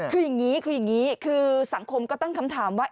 คืออย่างนี้คือสังคมก็ตั้งคำถามว่า